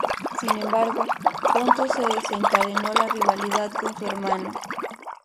Sin embargo, pronto se desencadenó la rivalidad con su hermano.